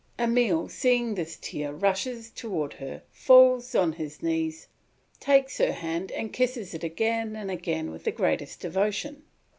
Emile, seeing this tear, rushes towards her, falls on his knees, takes her hand and kisses it again and again with the greatest devotion.